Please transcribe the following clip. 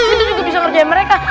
itu juga bisa ngerjain mereka